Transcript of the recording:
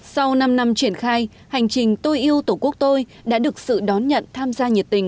sau năm năm triển khai hành trình tôi yêu tổ quốc tôi đã được sự đón nhận tham gia nhiệt tình